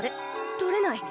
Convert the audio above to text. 取れない。